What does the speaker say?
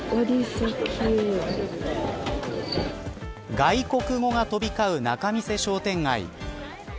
外国語が飛び交う仲見世商店街。